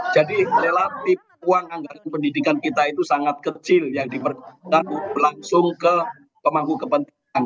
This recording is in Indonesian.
jadi relatif uang anggaran pendidikan kita itu sangat kecil yang diperlukan untuk langsung ke pemangku kepentingan